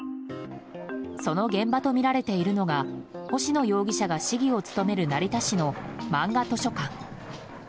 その現場とみられているのが星野容疑者が市議を務める成田市の、まんが図書館。